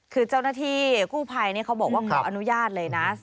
คือเจ้าหน้าที่กู้ภัยเขาบอกว่าขออนุญาตเลยนะ